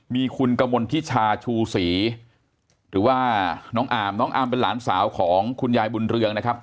มีคุณกมลทิชาชูศรีหรือว่าน้องอามน้องอาร์มเป็นหลานสาวของคุณยายบุญเรืองนะครับ